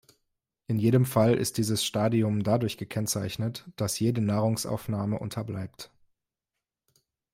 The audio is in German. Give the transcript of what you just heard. In jedem Fall ist dieses Stadium dadurch gekennzeichnet, dass jede Nahrungsaufnahme unterbleibt.